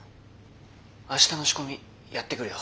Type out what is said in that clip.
あしたの仕込みやってくるよ。